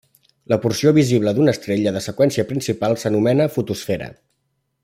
La porció visible d'una estrella de seqüència principal s'anomena fotosfera.